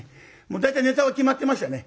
大体ネタは決まってましたね